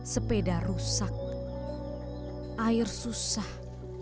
sepeda rusak air susah